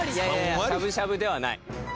しゃぶしゃぶではない。